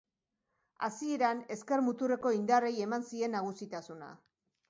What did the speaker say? Hasieran ezker muturreko indarrei eman zien nagusitasuna.